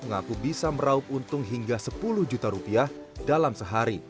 mengaku bisa meraup untung hingga sepuluh juta rupiah dalam sehari